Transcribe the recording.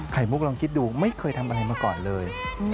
มุกลองคิดดูไม่เคยทำอะไรมาก่อนเลย